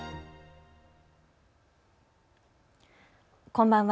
こんばんは。